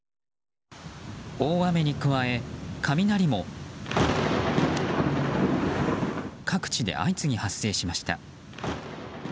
大雨に加え、雷も各地で相次ぎ発生しました。